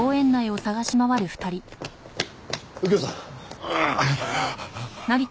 右京さん！